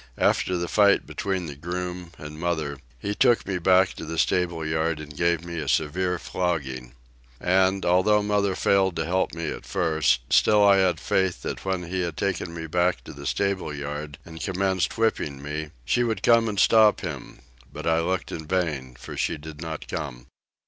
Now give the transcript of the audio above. After the fight between the groom and mother, he took me back to the stable yard and gave me a severe flogging. And, although mother failed to help me at first, still I had faith that when he had taken me back to the stable yard, and commenced whipping me, she would come and stop him, but I looked in vain, for she did not come.